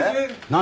何？